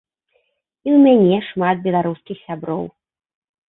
І ў мяне шмат беларускіх сяброў.